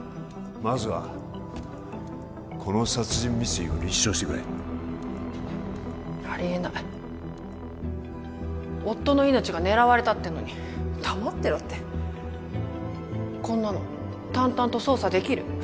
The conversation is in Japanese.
まずはこの殺人未遂を立証してくれありえない夫の命が狙われたっていうのに黙ってろってこんなの淡々と捜査できる？